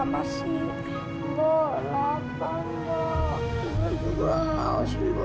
mbak kok bapak lama sih